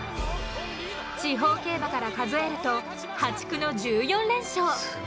地方競馬から数えると破竹の１４連勝。